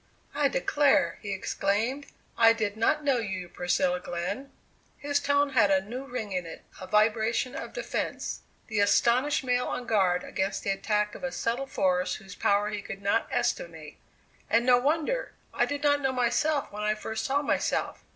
"I declare!" he exclaimed. "I did not know you, Priscilla Glenn." His tone had a new ring in it, a vibration of defence the astonished male on guard against the attack of a subtle force whose power he could not estimate. "And no wonder. I did not know myself when I first saw myself.